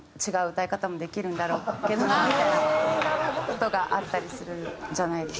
歌い方もできるんだろうけどなみたいな事があったりするんじゃないですか？